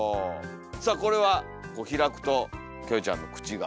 さあこれはこう開くとキョエちゃんの口が。